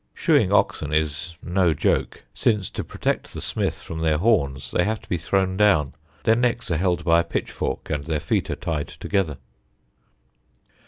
Shoeing oxen is no joke, since to protect the smith from their horns they have to be thrown down; their necks are held by a pitchfork, and their feet tied together.